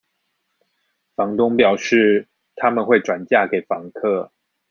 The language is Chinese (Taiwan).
房東表示，他們會轉嫁給房客